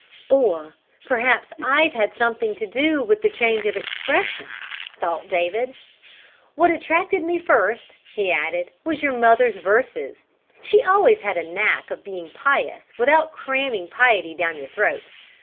"Or perhaps I've had something to do with the change of expression!" thought David. "What attracted me first," he added, "was your mother's verses. She always had a knack of being pious without cramming piety down your throat.